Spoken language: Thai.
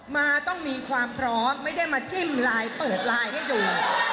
มาต้องมีความพร้อมไม่ได้มาจิ้มไลน์เปิดไลน์ให้ดู